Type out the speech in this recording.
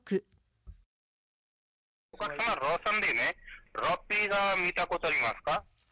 お客様、ローソンでね、ロッピーは見たことありますか？